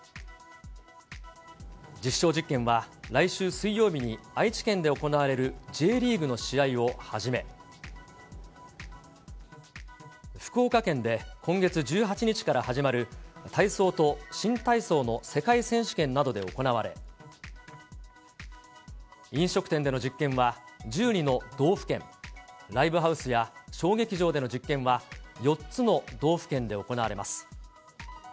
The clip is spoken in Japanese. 実証実験は来週水曜日に愛知県で行われるＪリーグの試合をはじめ、福岡県で今月１８日から始まる体操と新体操の世界選手権などで行われ、飲食店での実験は１２の道府県、ライブハウスや小劇場での実験は４つの道府県で行われます。